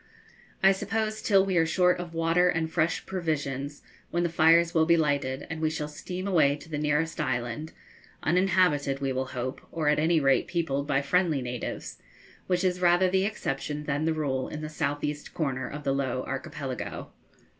I suppose till we are short of water and fresh provisions, when the fires will be lighted and we shall steam away to the nearest island uninhabited, we will hope, or at any rate peopled by friendly natives, which is rather the exception than the rule in the south east corner of the Low Archipelago.